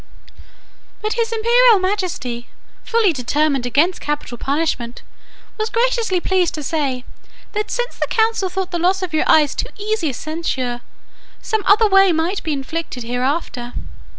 "But his imperial majesty, fully determined against capital punishment, was graciously pleased to say, that since the council thought the loss of your eyes too easy a censure, some other way may be inflicted hereafter.